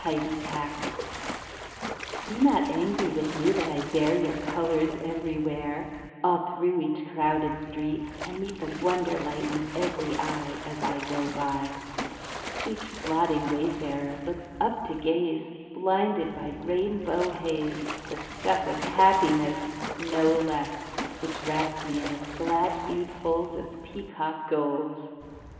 Apology Be not angry with me that I bear Your colours everywhere, All through each crowded street, And meet The wonder light in every eye, As I go by. Each plodding wayfarer looks up to gaze, Blinded by rainbow haze, The stuff of happiness, No less, Which wraps me in its glad hued folds Of peacock golds.